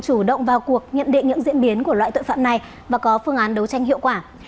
chủ động vào cuộc nhận định những diễn biến của loại tội phạm này và có phương án đấu tranh hiệu quả